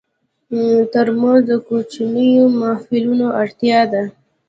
ترموز د کوچنیو محفلونو اړتیا ده.